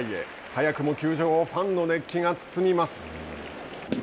早くも球場をファンの熱気が包みます。